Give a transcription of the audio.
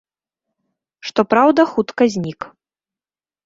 Што праўда, хутка знік.